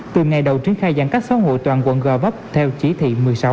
từ ngày đầu triển khai giãn cách xã hội toàn quận gò vấp theo chỉ thị một mươi sáu